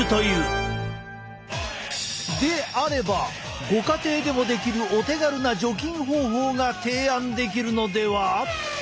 であればご家庭でもできるお手軽な除菌方法が提案できるのでは？